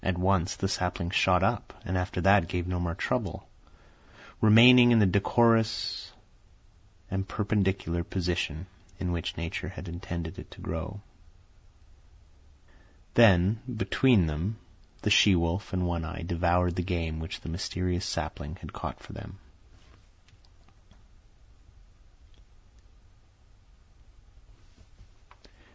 At once the sapling shot up, and after that gave no more trouble, remaining in the decorous and perpendicular position in which nature had intended it to grow. Then, between them, the she wolf and One Eye devoured the game which the mysterious sapling had caught for them.